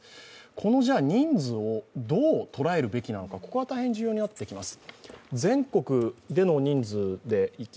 この人数をどう捉えるべきなのか、ここが大変重要になってきます。